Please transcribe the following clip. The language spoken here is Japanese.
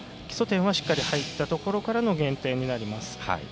基礎点はしっかり入ったところからの減点になります。